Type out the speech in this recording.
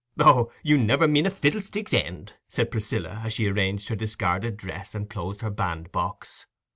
"Oh, you never mean a fiddlestick's end!" said Priscilla, as she arranged her discarded dress, and closed her bandbox.